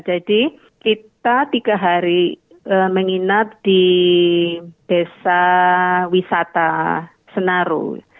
jadi kita tiga hari menginap di desa wisata senaruh